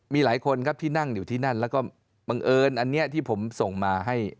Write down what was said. มีหลายคนครับที่นั่งอยู่ที่นั่นแล้วก็บังเอิญอันนี้ที่ผมส่งมาให้